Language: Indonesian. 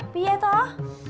bi ya toh